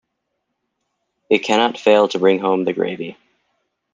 It cannot fail to bring home the gravy.